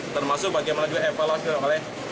termasuk bagaimana juga evaluasi oleh